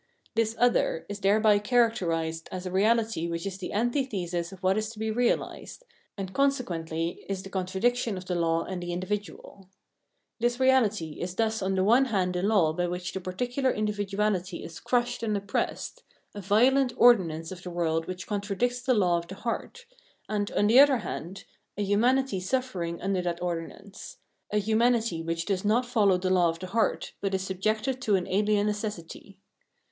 This other is thereby charac terised as a reahty which is the antithesis of what is to be reahsed, and consequently is the contradiction of the law and the individual. This reahty is thus on the one hand a law by which the particular individuality is 357 358 Phenomenology of Mind crushed and oppressed, a violent ordinance of the world which contradicts the law of the heart, and, on the other hand, a humanity suffering under that ordin ance — a humanity which does not follow the law of the heart, but is subjected to an ahen necessity.